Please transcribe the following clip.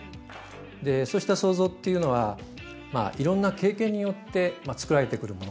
でそうした想像っていうのはまあいろんな経験によって作られてくるもの。